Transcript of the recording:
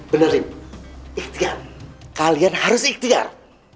bener din ikhtiar kalian harus ikhtiar